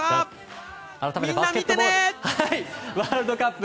バスケットボールワールドカップ